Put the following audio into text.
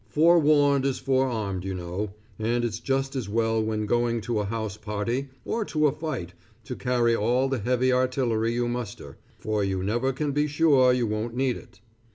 Forewarned is forearmed you know, and it's just as well when going to a house party, or to a fight, to carry all the heavy artillery you muster, for you never can be sure you won't need it.